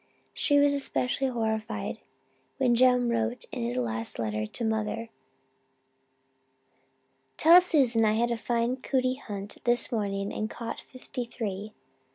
She was especially horrified when Jem wrote in his last letter to mother, 'Tell Susan I had a fine cootie hunt this morning and caught fifty three!'